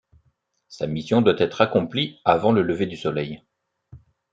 Sa mission doit être accomplie avant le lever du soleil.